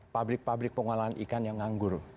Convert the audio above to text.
pabrik pabrik pengolahan ikan yang nganggur